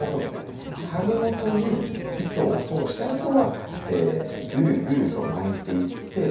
株元に糸を通してあとはぐるぐると巻いていって。